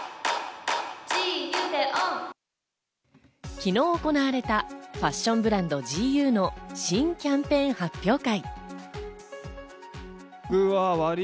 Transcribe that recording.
昨日行われたファッションブランド、ＧＵの新キャンペーン発表会。